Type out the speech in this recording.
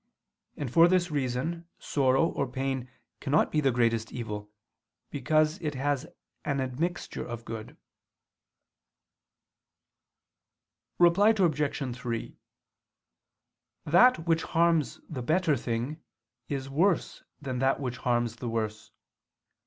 And for this reason, sorrow or pain cannot be the greatest evil; because it has an admixture of good. Reply Obj. 3: That which harms the better thing is worse than that which harms the worse.